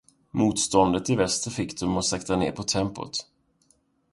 Motståndet i väster fick dem att sakta ner på tempot.